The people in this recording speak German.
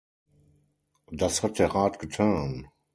Das hat der Rat getan!